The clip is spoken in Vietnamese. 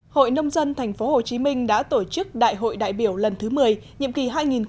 hội nông dân tp hcm đã tổ chức đại hội đại biểu lần thứ một mươi nhiệm kỳ hai nghìn một mươi tám hai nghìn hai mươi ba